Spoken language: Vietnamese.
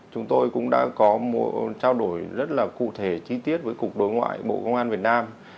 chúng tôi cũng đã có một trao đổi rất là cụ thể chi tiết với cục đối ngoại bộ công an việt nam